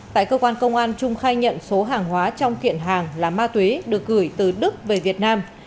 tại cơ quan công an trung khai nhận số hàng hóa trong kiện hàng là ma túy được gửi từ đức về việt nam